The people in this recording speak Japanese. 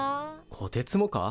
こてつもか？